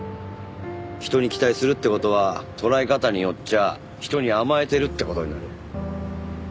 人に期待するって事は捉え方によっちゃ人に甘えてるって事になる。